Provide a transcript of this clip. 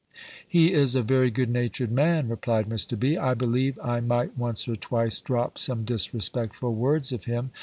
"He is a very good natured man," replied Mr. B. "I believe I might once or twice drop some disrespectful words of him.